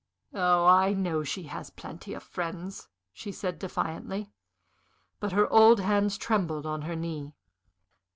"Oh, I know she has plenty of friends!" she said, defiantly. But her old hands trembled on her knee.